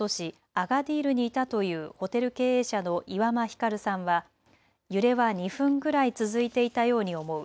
アガディールにいたというホテル経営者の岩間ひかるさんは揺れは２分くらい続いていたように思う。